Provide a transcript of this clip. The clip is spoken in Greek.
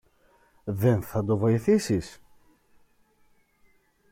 Δε θα τον βοηθήσεις;